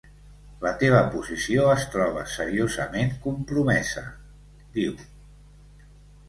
La teva posició es troba seriosament compromesa, diu.